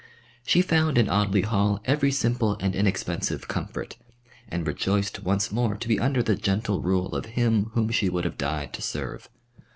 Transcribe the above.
She found in Audley Hall every simple and inexpensive comfort, and rejoiced once more to be under the gentle rule of him whom she would have died to serve.